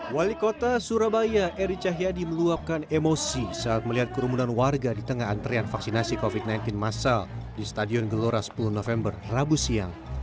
wali kota surabaya eri cahyadi meluapkan emosi saat melihat kerumunan warga di tengah antrean vaksinasi covid sembilan belas masal di stadion gelora sepuluh november rabu siang